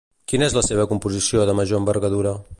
Quina és la seva composició de major envergadura?